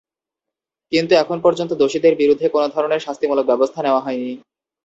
কিন্তু এখন পর্যন্ত দোষীদের বিরুদ্ধে কোনো ধরনের শাস্তিমূলক ব্যবস্থা নেওয়া হয়নি।